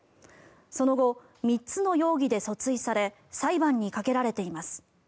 その後、３つの容疑で訴追され裁判にかけられています。